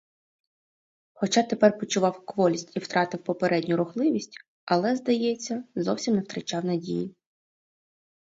Хоча тепер почував кволість і втратив попередню рухливість, але, здається, зовсім не втрачав надії.